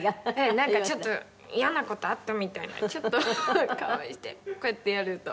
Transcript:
「なんかちょっと嫌な事あったみたいな顔してこうやってやると」